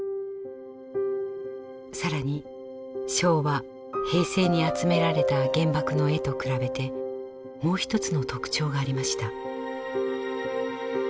更に昭和・平成に集められた原爆の絵と比べてもう一つの特徴がありました。